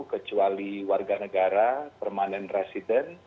kecuali warga negara permanent resident